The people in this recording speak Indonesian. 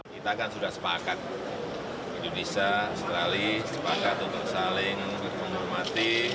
kita kan sudah sepakat indonesia australia sepakat untuk saling menghormati